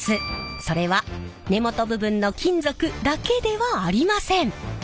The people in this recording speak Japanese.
それは根元部分の金属だけではありません。